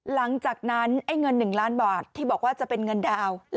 หลังจากนั้นไอ้เงิน๑ล้านบาทที่บอกว่าจะเป็นเงินดาวน์